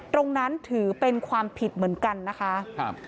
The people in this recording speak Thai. ตรงนั้นถือเป็นความผิดเหมือนกันนะคะครับ